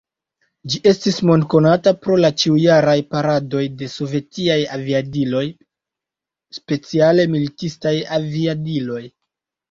Ĝi estis mondkonata pro la ĉiujaraj paradoj de sovetiaj aviadiloj, speciale militistaj aviadiloj.